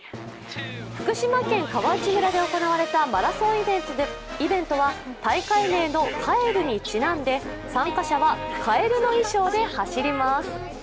福島県川内村で行われたマラソンイベントは大会名のかえるにちなんで、参加者はかえるの衣装で走ります。